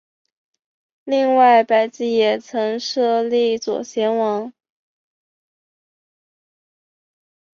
另外百济也曾设立左贤王。